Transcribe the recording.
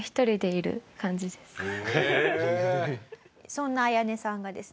そんなアヤネさんがですね